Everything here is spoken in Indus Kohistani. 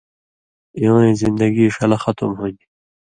اِوَیں زندگی ݜلہ ختم ہُون٘دیۡ